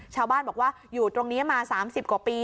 ชาวบ้านบอกว่าอยู่ตรงนี้มา๓๐กว่าปี